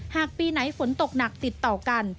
หากปีไหนฝนตกหนักติดต่อกัน